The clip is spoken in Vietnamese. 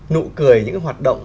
nụ cười những hoạt động